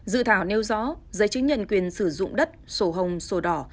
dự thảo nêu rõ giấy chứng nhận quyền sử dụng đất sổ hồng sổ đỏ